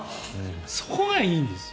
そこがいいんですよ。